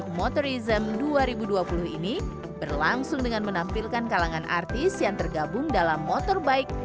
motorism dua ribu dua puluh ini berlangsung dengan menampilkan kalangan artis yang tergabung dalam motorbike